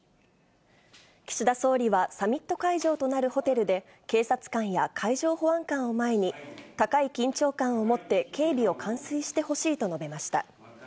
岸田総理は、サミット会場となるホテルで、警察官や海上保安官を前に、高い緊張感をもって、警備を完遂してほしいと述べました。